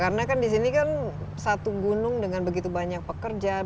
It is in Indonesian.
karena kan disini kan satu gunung dengan begitu banyak pekerja